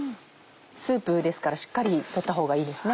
スープですからしっかり取ったほうがいいですね？